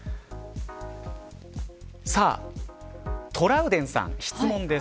さあ、トラウデンさん質問です。